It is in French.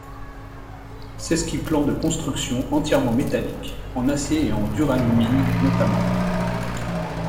Sesquiplan de construction entièrement métallique, en acier et en duralumin notamment.